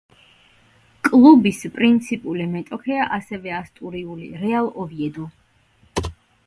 კლუბის პრინციპული მეტოქეა, ასევე ასტურიული „რეალ ოვიედო“.